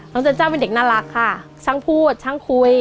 เจนเจ้าเป็นเด็กน่ารักค่ะช่างพูดช่างคุย